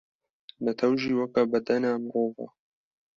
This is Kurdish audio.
Netew jî weke bedena mirov e.